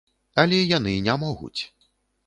Але яны не могуць.